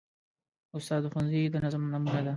استاد د ښوونځي د نظم نمونه ده.